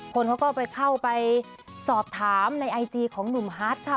คนเขาก็ไปเข้าไปสอบถามในไอจีของหนุ่มฮัทค่ะ